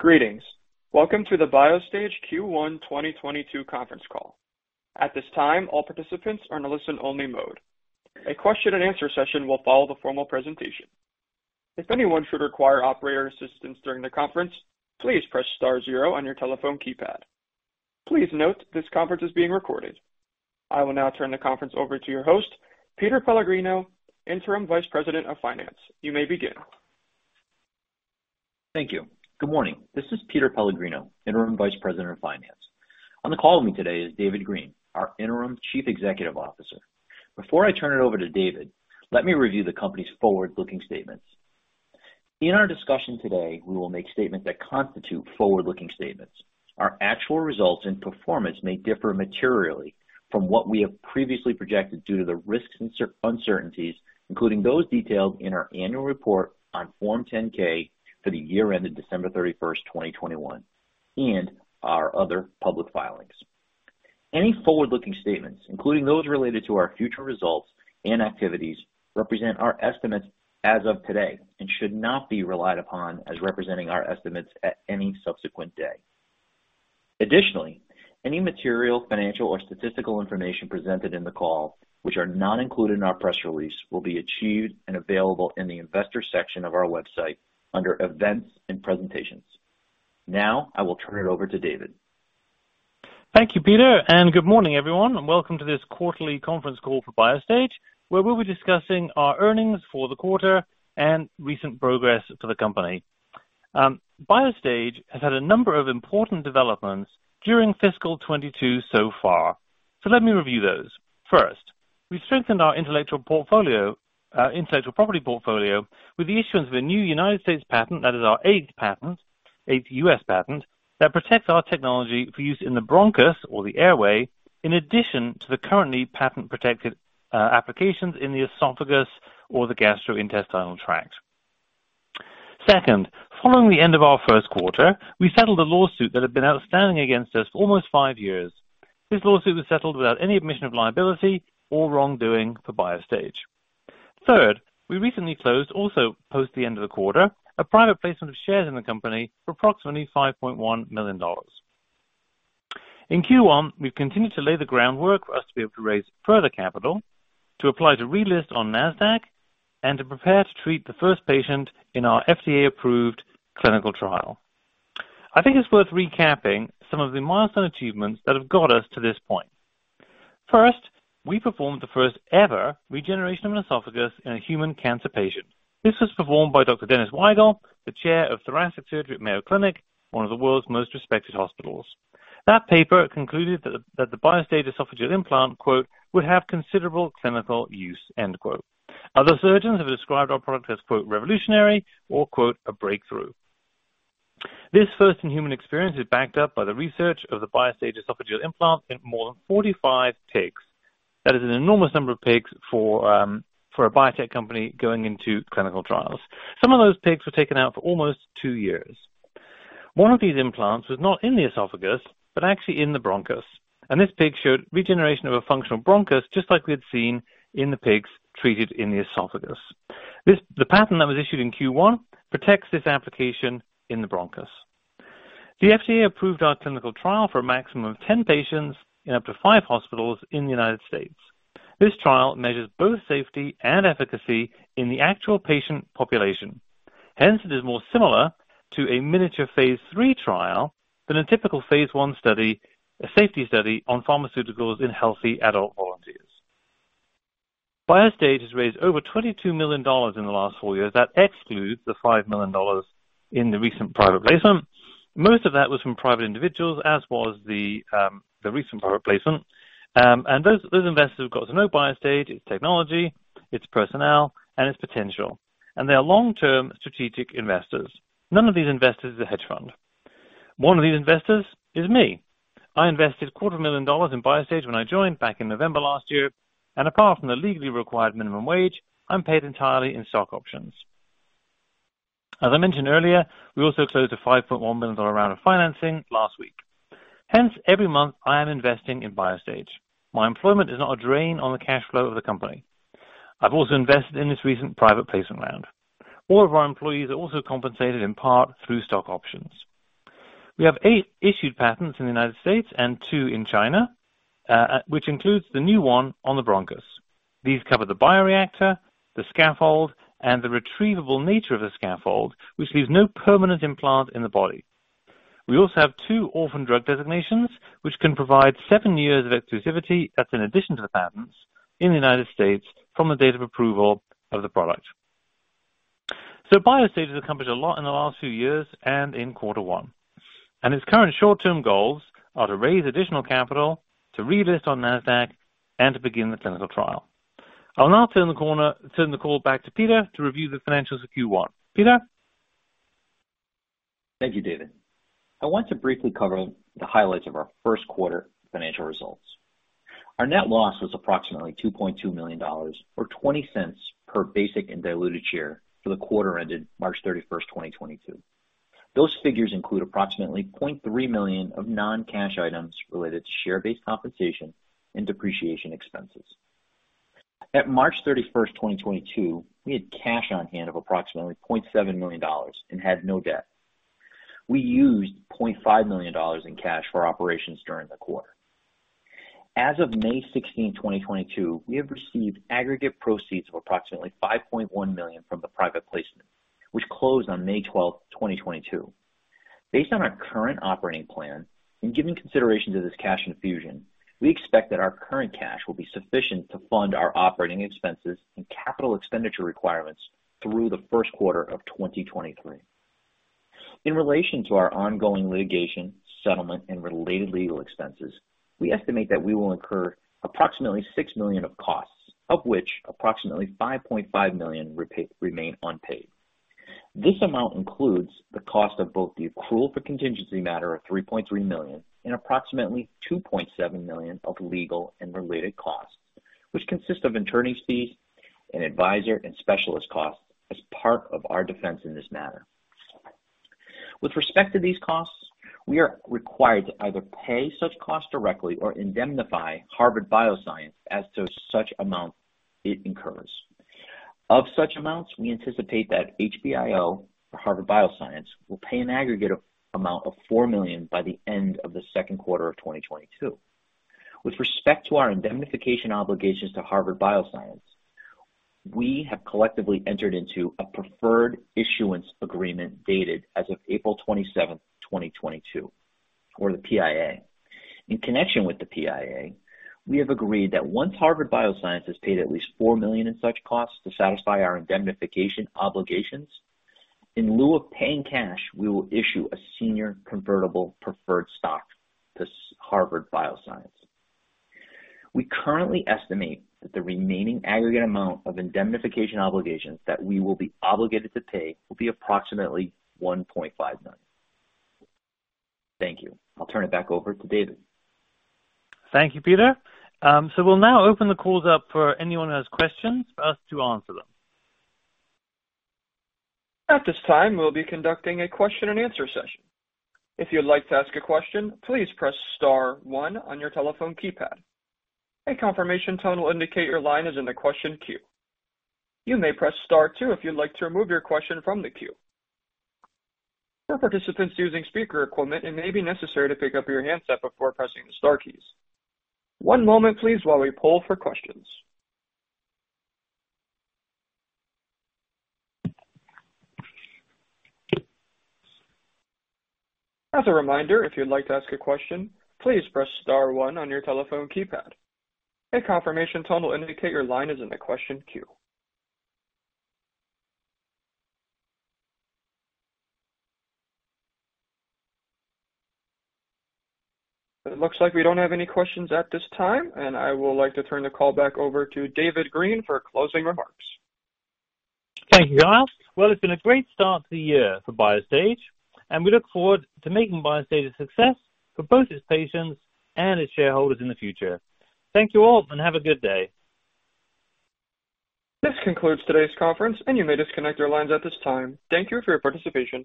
Greetings. Welcome to the Biostage Q1 2022 conference call. At this time, all participants are in a listen only mode. A question and answer session will follow the formal presentation. If anyone should require operator assistance during the conference, please press star zero on your telephone keypad. Please note this conference is being recorded. I will now turn the conference over to your host, Peter Pellegrino, Interim Vice President of Finance. You may begin. Thank you. Good morning. This is Peter Pellegrino, Interim Vice President of Finance. On the call with me today is David Green, our Interim Chief Executive Officer. Before I turn it over to David, let me review the company's forward-looking statements. In our discussion today, we will make statements that constitute forward-looking statements. Our actual results and performance may differ materially from what we have previously projected due to the risks and uncertainties, including those detailed in our annual report on Form 10-K for the year ended December 31st, 2021, and our other public filings. Any forward-looking statements, including those related to our future results and activities, represent our estimates as of today and should not be relied upon as representing our estimates at any subsequent day. Additionally, any material, financial or statistical information presented in the call, which are not included in our press release, will be archived and available in the investor section of our website under Events and Presentations. Now I will turn it over to David Green. Thank you, Peter, and good morning, everyone. Welcome to this quarterly conference call for Biostage, where we'll be discussing our earnings for the quarter and recent progress for the company. Biostage has had a number of important developments during fiscal 2022 so far. Let me review those. First, we strengthened our intellectual property portfolio with the issuance of a new United States patent that is our eighth U.S. patent that protects our technology for use in the bronchus or the airway in addition to the currently patent-protected applications in the esophagus or the gastrointestinal tract. Second, following the end of our first quarter, we settled a lawsuit that had been outstanding against us for almost five years. This lawsuit was settled without any admission of liability or wrongdoing for Biostage. Third, we recently closed also post the end of the quarter, a private placement of shares in the company for approximately $5.1 million. In Q1, we've continued to lay the groundwork for us to be able to raise further capital to apply to relist on Nasdaq and to prepare to treat the first patient in our FDA-approved clinical trial. I think it's worth recapping some of the milestone achievements that have got us to this point. First, we performed the first-ever regeneration of an esophagus in a human cancer patient. This was performed by Dr. Dennis Wigle, the Chair of Thoracic Surgery at Mayo Clinic, one of the world's most respected hospitals. That paper concluded that the Biostage esophageal implant, quote, "would have considerable clinical use," end quote. Other surgeons have described our product as, quote, "revolutionary" or quote, "a breakthrough." This first in-human experience is backed up by the research of the Biostage esophageal implant in more than 45 pigs. That is an enormous number of pigs for a biotech company going into clinical trials. Some of those pigs were taken out for almost two years. One of these implants was not in the esophagus, but actually in the bronchus. This pig showed regeneration of a functional bronchus, just like we had seen in the pigs treated in the esophagus. The patent that was issued in Q1 protects this application in the bronchus. The FDA approved our clinical trial for a maximum of 10 patients in up to five hospitals in the United States. This trial measures both safety and efficacy in the actual patient population. Hence, it is more similar to a miniature phase III trial than a typical phase I study, a safety study on pharmaceuticals in healthy adult volunteers. Biostage has raised over $22 million in the last four years. That excludes the $5 million in the recent private placement. Most of that was from private individuals as was the recent private placement. Those investors have got to know Biostage, its technology, its personnel, and its potential. They are long-term strategic investors. None of these investors is a hedge fund. One of these investors is me. I invested a quarter million dollars in Biostage when I joined back in November last year, and apart from the legally required minimum wage, I'm paid entirely in stock options. As I mentioned earlier, we also closed a $5.1 million round of financing last week. Hence every month I am investing in Biostage. My employment is not a drain on the cash flow of the company. I've also invested in this recent private placement round. All of our employees are also compensated in part through stock options. We have eight issued patents in the United States and two in China, which includes the new one on the bronchus. These cover the bioreactor, the scaffold, and the retrievable nature of the scaffold, which leaves no permanent implant in the body. We also have two orphan drug designations, which can provide seven years of exclusivity. That's in addition to the patents in the United States from the date of approval of the product. Biostage has accomplished a lot in the last few years and in quarter one, and its current short-term goals are to raise additional capital, to relist on Nasdaq, and to begin the clinical trial. I'll now turn the call back to Peter to review the financials of Q1. Peter. Thank you, David. I want to briefly cover the highlights of our first quarter financial results. Our net loss was approximately $2.2 million or $0.20 per basic and diluted share for the quarter ended March 31st, 2022. Those figures include approximately $0.3 million of non-cash items related to share-based compensation and depreciation expenses. At March 31st, 2022, we had cash on hand of approximately $0.7 million and had no debt. We used $0.5 million in cash for operations during the quarter. As of May 16th, 2022, we have received aggregate proceeds of approximately $5.1 million from the private placement, which closed on May 12th, 2022. Based on our current operating plan and giving consideration to this cash infusion, we expect that our current cash will be sufficient to fund our operating expenses and capital expenditure requirements through the first quarter of 2023. In relation to our ongoing litigation settlement and related legal expenses, we estimate that we will incur approximately $6 million of costs, of which approximately $5.5 million remain unpaid. This amount includes the cost of both the accrual for contingency matter of $3.3 million and approximately $2.7 million of legal and related costs, which consist of attorneys' fees and advisor and specialist costs as part of our defense in this matter. With respect to these costs, we are required to either pay such costs directly or indemnify Harvard Bioscience as to such amount it incurs. Of such amounts, we anticipate that HBIO, or Harvard Bioscience, will pay an aggregate amount of $4 million by the end of the second quarter of 2022. With respect to our indemnification obligations to Harvard Bioscience, we have collectively entered into a preferred issuance agreement dated as of April 27th, 2022 or the PIA. In connection with the PIA, we have agreed that once Harvard Bioscience has paid at least $4 million in such costs to satisfy our indemnification obligations, in lieu of paying cash, we will issue a senior convertible preferred stock to Harvard Bioscience. We currently estimate that the remaining aggregate amount of indemnification obligations that we will be obligated to pay will be approximately $1.5 million. Thank you. I'll turn it back over to David. Thank you, Peter. We'll now open the call up for anyone who has questions for us to answer them. At this time, we'll be conducting a question and answer session. If you'd like to ask a question, please press star one on your telephone keypad. A confirmation tone will indicate your line is in the question queue. You may press star two if you'd like to remove your question from the queue. For participants using speaker equipment, it may be necessary to pick up your handset before pressing the star keys. One moment please while we poll for questions. As a reminder, if you'd like to ask a question, please press star one on your telephone keypad. A confirmation tone will indicate your line is in the question queue. It looks like we don't have any questions at this time, and I would like to turn the call back over to David Green for closing remarks. Thank you, Kyle. Well, it's been a great start to the year for Biostage, and we look forward to making Biostage a success for both its patients and its shareholders in the future. Thank you all and have a good day. This concludes today's conference, and you may disconnect your lines at this time. Thank you for your participation.